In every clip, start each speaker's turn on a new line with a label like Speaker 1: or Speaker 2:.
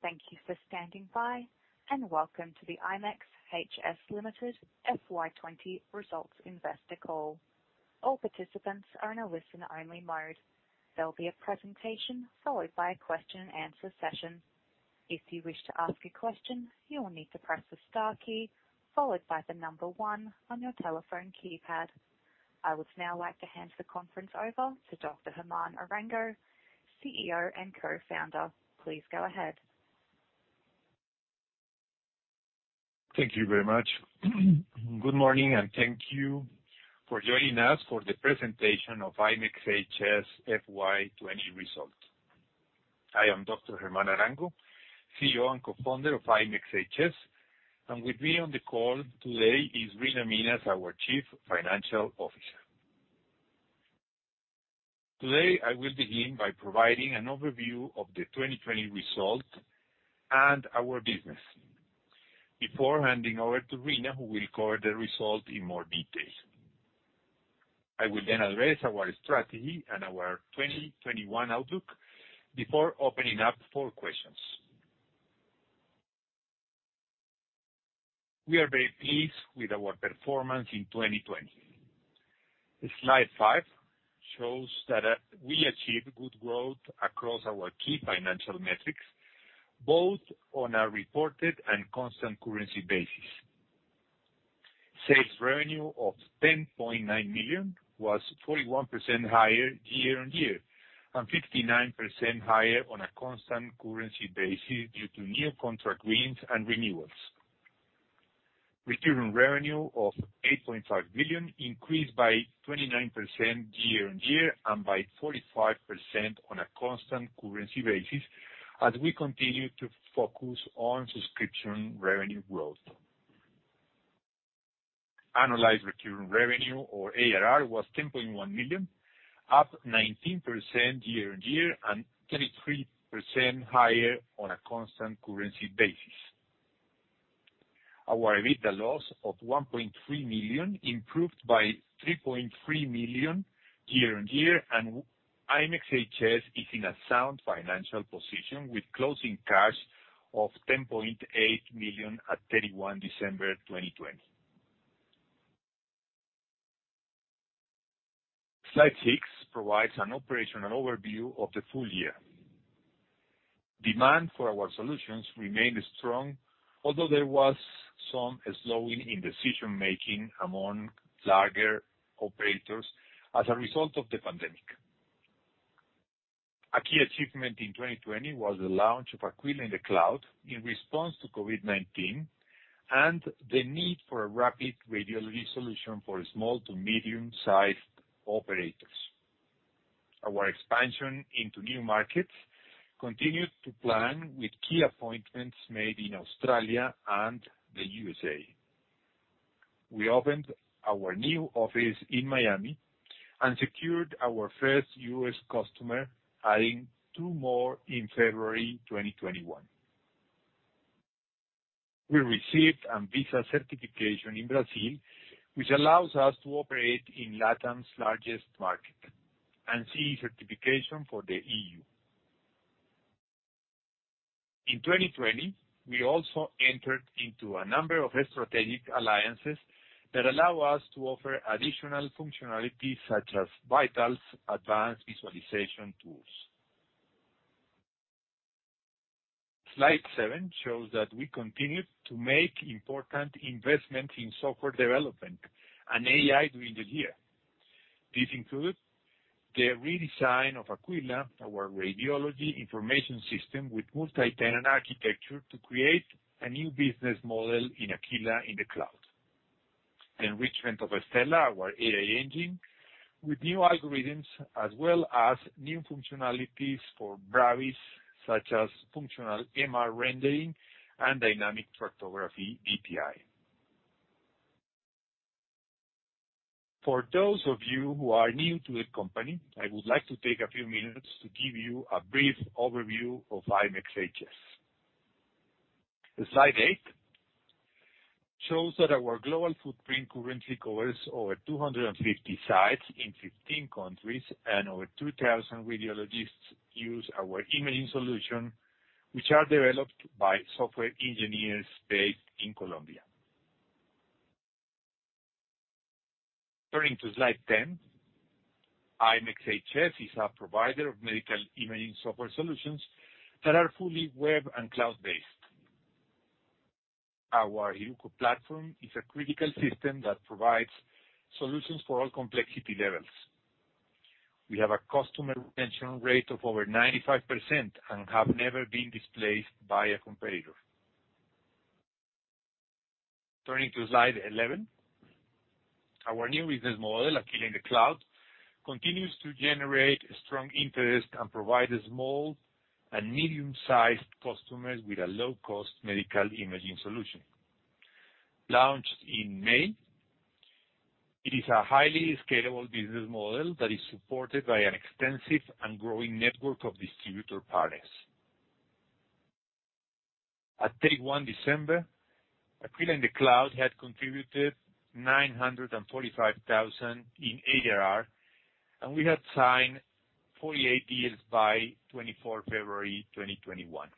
Speaker 1: Thank you for standing by, and welcome to the IMEXHS Limited FY 2020 Results Investor Call. All participants are in a listen-only mode. There'll be a presentation followed by a question and answer session. If you wish to ask a question, you will need to press the star key followed by the number one on your telephone keypad. I would now like to hand the conference over to Dr. Germán Arango, CEO and Co-Founder. Please go ahead.
Speaker 2: Thank you very much. Good morning, and thank you for joining us for the presentation of IMEXHS FY 2020 result. I am Dr. Germán Arango, Chief Executive Officer and Co-Founder of IMEXHS, and with me on the call today is Reena Minhas, our Chief Financial Officer. Today, I will begin by providing an overview of the 2020 result and our business before handing over to Reena, who will cover the result in more detail. I will then address our strategy and our 2021 outlook before opening up for questions. We are very pleased with our performance in 2020. Slide five shows that we achieved good growth across our key financial metrics, both on a reported and constant currency basis. Sales revenue of 10.9 million was 41% higher year-on-year, and 59% higher on a constant currency basis due to new contract wins and renewals. Recurring revenue of 8.5 million increased by 29% year-on-year and by 45% on a constant currency basis as we continue to focus on subscription revenue growth. Annualized recurring revenue or ARR was 10.1 million, up 19% year-on-year and 33% higher on a constant currency basis. Our EBITDA loss of 1.3 million improved by 3.3 million year-on-year, and IMEXHS is in a sound financial position with closing cash of 10.8 million at 31 December 2020. Slide six provides an operational overview of the full year. Demand for our solutions remained strong, although there was some slowing in decision-making among larger operators as a result of the pandemic. A key achievement in 2020 was the launch of Aquila in the cloud in response to COVID-19 and the need for a rapid radiology solution for small to medium-sized operators. Our expansion into new markets continued to plan with key appointments made in Australia and the U.S.A. We opened our new office in Miami and secured our first U.S. customer, adding two more in February 2021. We received ANVISA certification in Brazil, which allows us to operate in LATAM's largest market. CE certification for the EU. In 2020, we also entered into a number of strategic alliances that allow us to offer additional functionality such as Vital's advanced visualization tools. Slide seven shows that we continued to make important investments in software development and AI during the year. This includes the redesign of Aquila, our radiology information system, with multi-tenant architecture to create a new business model in Aquila in the cloud. The enrichment of Stella AI, our AI engine, with new algorithms as well as new functionalities for Braviz, such as functional MR rendering and dynamic tractography DTI. For those of you who are new to the company, I would like to take a few minutes to give you a brief overview of IMEXHS. Slide eight shows that our global footprint currently covers over 250 sites in 15 countries, and over 2,000 radiologists use our imaging solution, which are developed by software engineers based in Colombia. Turning to Slide 10, IMEXHS is a provider of medical imaging software solutions that are fully web and cloud-based. Our HIRUKO platform is a critical system that provides solutions for all complexity levels. We have a customer retention rate of over 95% and have never been displaced by a competitor. Turning to Slide 11, our new business model, Aquila in the cloud, continues to generate strong interest and provide small and medium-sized customers with a low-cost medical imaging solution. Launched in May, it is a highly scalable business model that is supported by an extensive and growing network of distributor partners. At 31 December, Aquila in the cloud had contributed 945,000 in ARR, and we had signed 48 deals by 24 February 2021.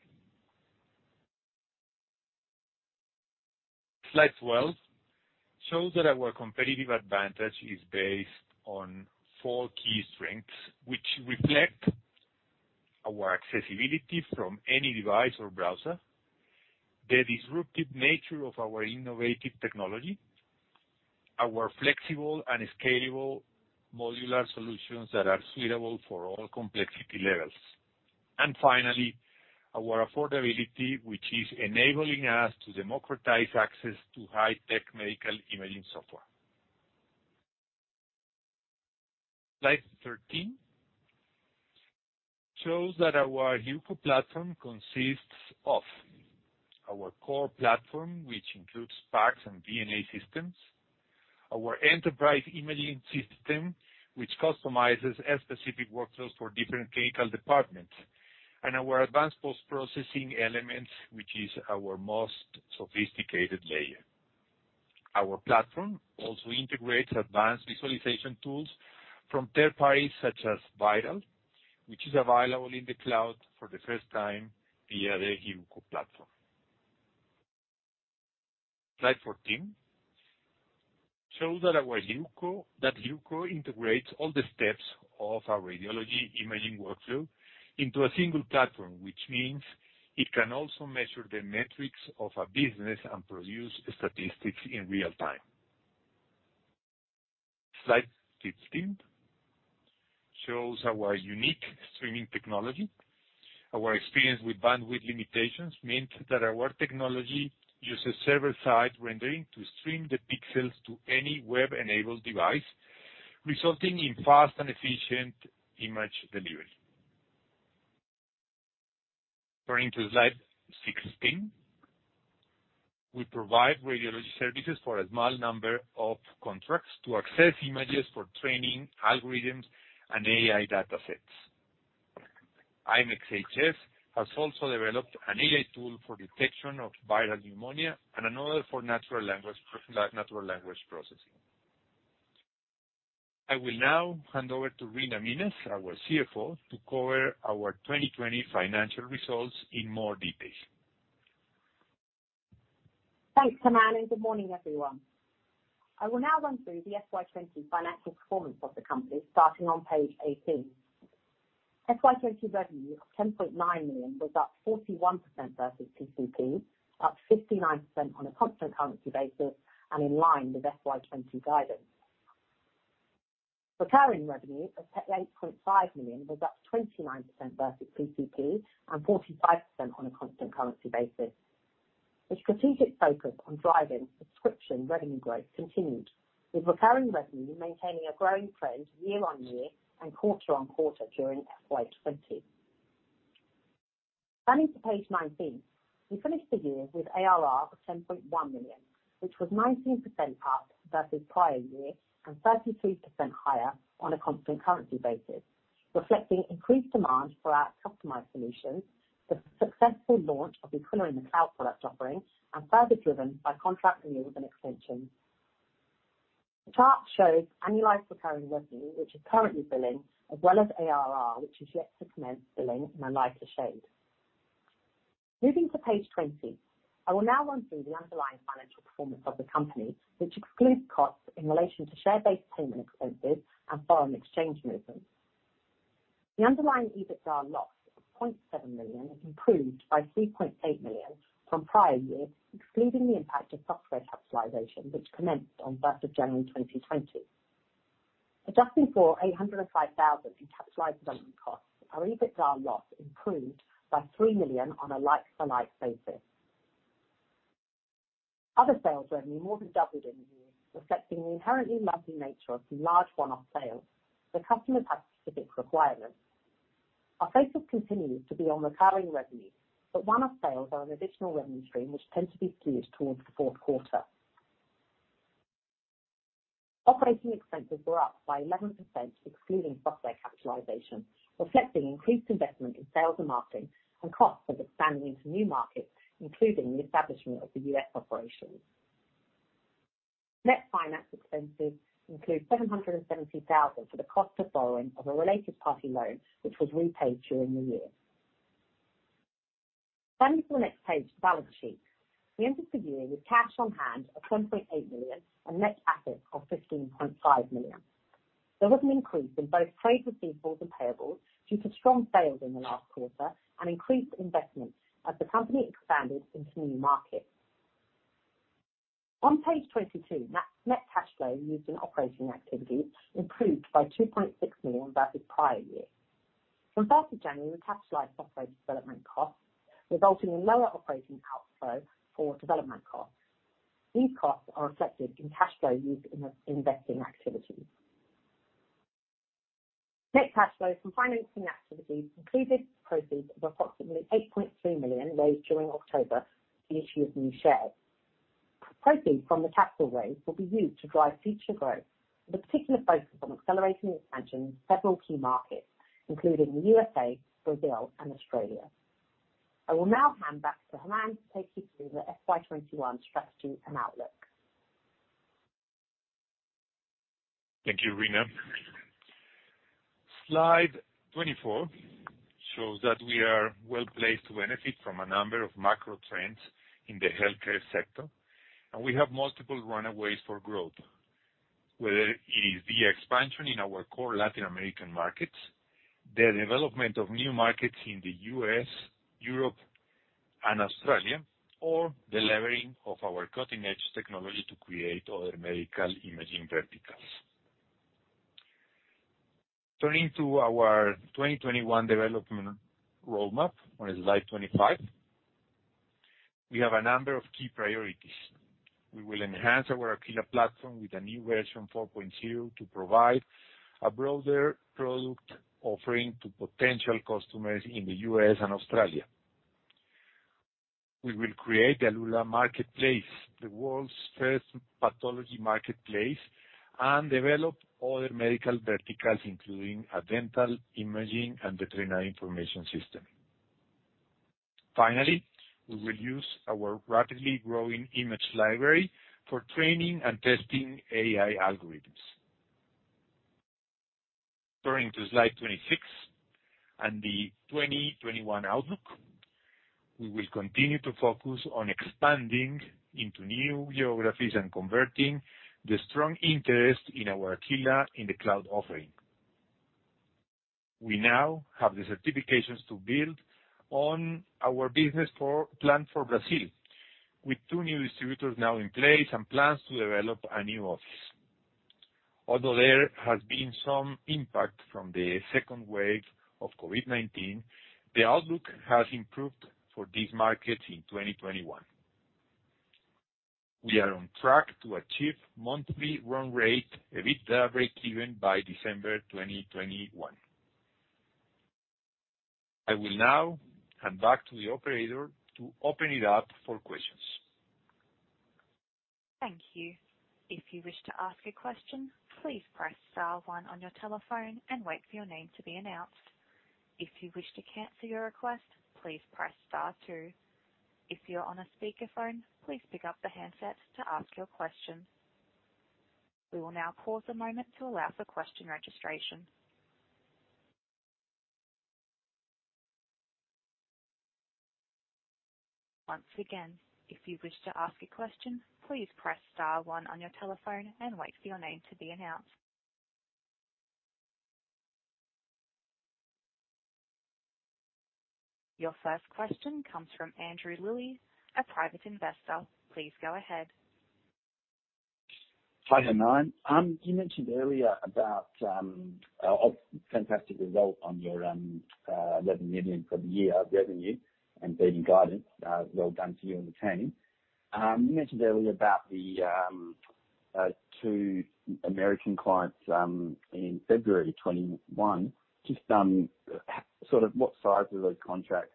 Speaker 2: Slide 12 shows that our competitive advantage is based on four key strengths, which reflect our accessibility from any device or browser, the disruptive nature of our innovative technology, our flexible and scalable modular solutions that are suitable for all complexity levels, and finally, our affordability, which is enabling us to democratize access to high-tech medical imaging software. Slide 13 shows that our HIRUKO platform consists of our core platform, which includes PACS and VNA systems, our enterprise imaging system, which customizes specific workflows for different clinical departments, and our advanced post-processing elements, which is our most sophisticated layer. Our platform also integrates advanced visualization tools from third parties such as Vital, which is available in the cloud for the first time via the Aquila platform. Slide 14 shows that HIRUKO integrates all the steps of a radiology imaging workflow into a single platform, which means it can also measure the metrics of a business and produce statistics in real time. Slide 15 shows our unique streaming technology. Our experience with bandwidth limitations means that our technology uses server-side rendering to stream the pixels to any web-enabled device, resulting in fast and efficient image delivery. Turning to slide 16, we provide radiology services for a small number of contracts to access images for training algorithms and AI datasets. IMEXHS has also developed an AI tool for detection of viral pneumonia and another for natural language processing. I will now hand over to Reena Minhas, our CFO, to cover our 2020 financial results in more detail.
Speaker 3: Thanks, Germán. Good morning, everyone. I will now run through the FY 2020 financial performance of the company, starting on page 18. FY 2020 revenue of 10.9 million was up 41% versus PCP, up 59% on a constant currency basis and in line with FY 2020 guidance. Recurring revenue of 8.5 million was up 29% versus PCP and 45% on a constant currency basis. Its strategic focus on driving subscription revenue growth continued, with recurring revenue maintaining a growing trend year on year and quarter on quarter during FY 2020. Turning to page 19. We finished the year with ARR of 10.1 million, which was 19% up versus prior year and 33% higher on a constant currency basis, reflecting increased demand for our customized solutions, the successful launch of Aquila in the cloud product offering, and further driven by contract renewals and extensions. The chart shows annualized recurring revenue, which is currently billing, as well as ARR, which is yet to commence billing, in a lighter shade. Moving to page 20. I will now run through the underlying financial performance of the company, which excludes costs in relation to share-based payment expenses and foreign exchange movements. The underlying EBITDA loss of 0.7 million improved by 3.8 million from prior year, excluding the impact of software capitalization, which commenced on 1st of January 2020. Adjusting for 805,000 in capitalized development costs, our EBITDA loss improved by 3 million on a like-for-like basis. Other sales revenue more than doubled in the year, reflecting the inherently lumpy nature of some large one-off sales where customers have specific requirements. Our focus continues to be on recurring revenue, one-off sales are an additional revenue stream which tend to be skewed towards the fourth quarter. Operating expenses were up by 11%, excluding software capitalization, reflecting increased investment in sales and marketing and costs of expanding into new markets, including the establishment of the U.S. operations. Net finance expenses include 770,000 for the cost of borrowing of a related party loan, which was repaid during the year. Turning to the next page, balance sheet. We ended the year with cash on hand of 1.8 million and net assets of 15.5 million. There was an increase in both trade receivables and payables due to strong sales in the last quarter and increased investment as the company expanded into new markets. On page 22, net cash flow used in operating activities improved by 2.6 million versus prior year. From 1st of January, we capitalized software development costs, resulting in lower operating outflow for development costs. These costs are reflected in cash flow used in investing activities. Net cash flow from financing activities included proceeds of approximately 8.3 million raised during October through the issue of new shares. Proceeds from the capital raise will be used to drive future growth, with a particular focus on accelerating expansion in several key markets, including the U.S.A., Brazil, and Australia. I will now hand back to Germán to take you through the FY 2021 strategy and outlook.
Speaker 2: Thank you, Reena. Slide 24 shows that we are well-placed to benefit from a number of macro trends in the healthcare sector, and we have multiple runways for growth, whether it is the expansion in our core Latin American markets, the development of new markets in the U.S., Europe, and Australia, or the leveraging of our cutting-edge technology to create other medical imaging verticals. Turning to our 2021 development roadmap on slide 25, we have a number of key priorities. We will enhance our AQUILA platform with a new version, 4.0, to provide a broader product offering to potential customers in the U.S. and Australia. We will create the Alula marketplace, the world's first pathology marketplace, and develop other medical verticals, including a dental imaging and veterinary information system. Finally, we will use our rapidly growing image library for training and testing AI algorithms. Turning to slide 26 and the 2021 outlook. We will continue to focus on expanding into new geographies and converting the strong interest in our Aquila in the cloud offering. We now have the certifications to build on our business plan for Brazil, with two new distributors now in place and plans to develop a new office. Although there has been some impact from the second wave of COVID-19, the outlook has improved for these markets in 2021. We are on track to achieve monthly run rate, EBITDA breakeven by December 2021. I will now hand back to the operator to open it up for questions.
Speaker 1: Thank you. If you wish to ask a question, please press star one on your telephone and wait for your name to be announced. If you wish to cancel your request, please press star two. If you are on a speakerphone, please pick up the handset to ask your question. We will now pause a moment to allow for question registration. Once again, if you wish to ask a question, please press star one on your telephone and wait for your name to be announced. Your first question comes from [Andrew Louis], a private investor. Please go ahead.
Speaker 4: Hi, Germán. You mentioned earlier about a fantastic result on your revenue for the year of revenue and beating guidance. Well done to you and the team. You mentioned earlier about the two American clients in February of 2021. Just, what size are those contracts?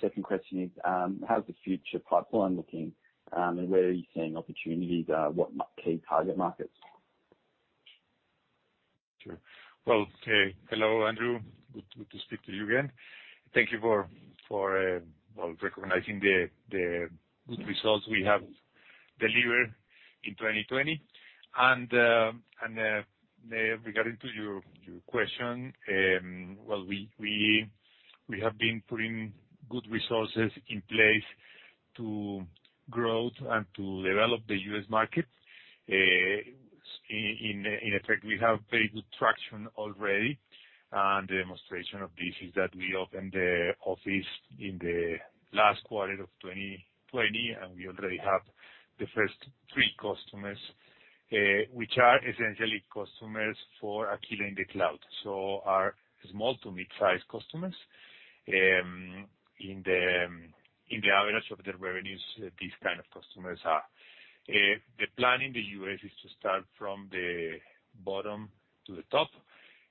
Speaker 4: Second question is, how's the future pipeline looking, and where are you seeing opportunities? What key target markets?
Speaker 2: Sure. Well, hello, Andrew. Good to speak to you again. Thank you for recognizing the good results we have delivered in 2020. Regarding to your question, well, we have been putting good resources in place to grow and to develop the U.S. market. In effect, we have very good traction already, and the demonstration of this is that we opened the office in the last quarter of 2020, and we already have the first three customers, which are essentially customers for Aquila in the cloud. These are small to mid-size customers in the average of the revenues these kind of customers are. The plan in the U.S. is to start from the bottom to the top.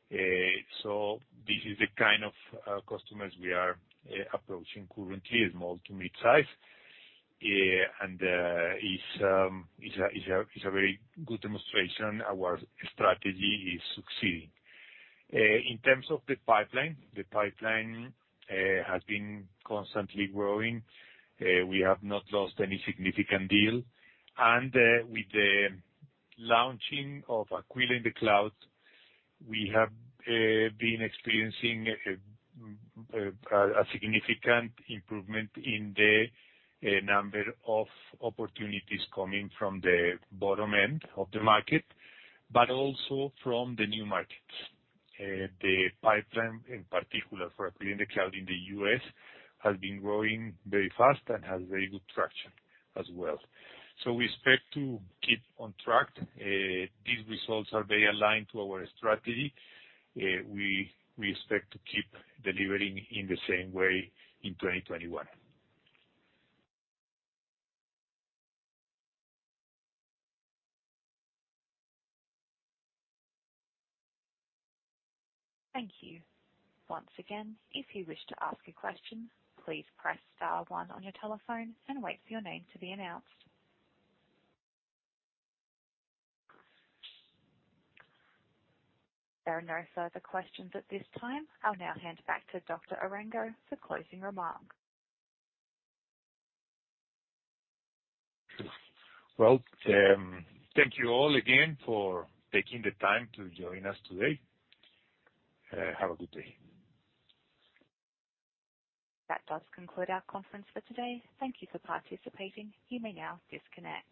Speaker 2: This is the kind of customers we are approaching currently, small to mid-size. It's a very good demonstration our strategy is succeeding. In terms of the pipeline, the pipeline has been constantly growing. We have not lost any significant deal. With the launching of Aquila in the cloud, we have been experiencing a significant improvement in the number of opportunities coming from the bottom end of the market, but also from the new markets. The pipeline, in particular for Aquila in the cloud in the U.S., has been growing very fast and has very good traction as well. We expect to keep on track. These results are very aligned to our strategy. We expect to keep delivering in the same way in 2021.
Speaker 1: Thank you. Once again, if you wish to ask a question, please press star one on your telephone and wait for your name to be announced. There are no further questions at this time. I'll now hand back to Dr. Arango for closing remarks.
Speaker 2: Well, thank you all again for taking the time to join us today. Have a good day.
Speaker 1: That does conclude our conference for today. Thank you for participating. You may now disconnect.